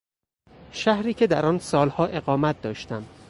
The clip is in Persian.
شهری که در آن سالها اقامت داشتم